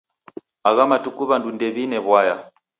Agha matuku w'andu ndew'ine w'uaya.